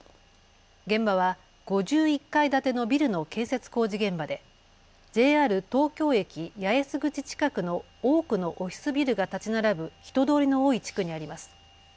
現場は５１階建てのビルの建設工事現場でＪＲ東京駅八重洲口近くの多くのオフィスビルが建ち並ぶ人通りの多い地区にあります。